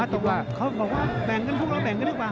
เขาบอกว่าแบ่งกันพวกเราแบ่งกันดีกว่า